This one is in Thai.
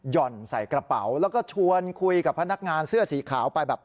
่อนใส่กระเป๋าแล้วก็ชวนคุยกับพนักงานเสื้อสีขาวไปแบบ